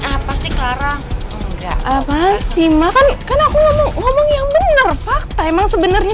apa sih kelarang enggak apa sih makan kan aku ngomong yang bener fakta emang sebenarnya